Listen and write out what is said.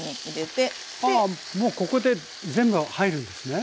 あもうここで全部入るんですね。